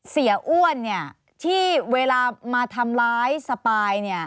เสียอ้วนที่เวลามาทำร้ายสปาย